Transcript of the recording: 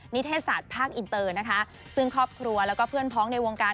เทศศาสตร์ภาคอินเตอร์นะคะซึ่งครอบครัวแล้วก็เพื่อนพ้องในวงการ